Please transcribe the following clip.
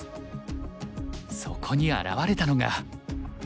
そこに現れたのが。